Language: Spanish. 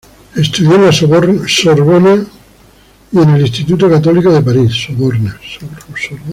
Estudió en la Soborna y en Instituto Católico de París.